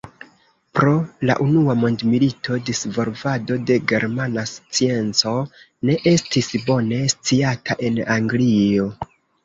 Pro la Unua mondmilito, disvolvado de germana scienco ne estis bone sciata en Anglio.